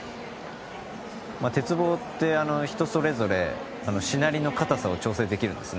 鉄棒って、人それぞれしなりの硬さを調整できるんです。